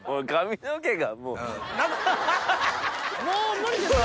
もう無理ですよ！